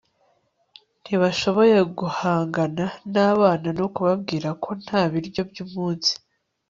ntibashoboye guhangana nabana no kubabwira ko nta biryo byumunsi